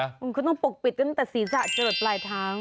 เขาต้องปลูกปิดกันตั้งแต่ศีรษะจริงหลายทาง